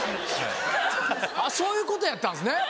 そういうことやったんですね。